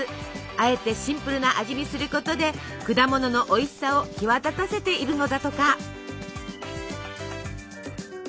あえてシンプルな味にすることで果物のおいしさを際立たせているのだとか。